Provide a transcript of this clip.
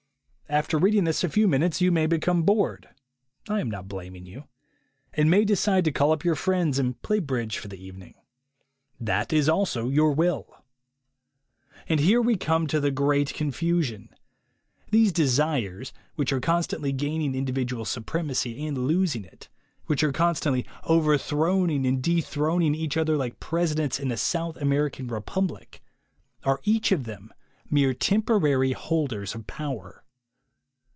After reading this a few minutes you may become bored (I am not blaming you), and may decide to call up your friends and play bridge for the evening. That is also your will. And here we come to the great confusion. These desires, which are constantly gaining individual supremacy and losing it, which are constantly over throwing and dethroning each other like presidents 14 THE WAY TO WILL POWER in a South American republic, are each of them mere temporary holders of power.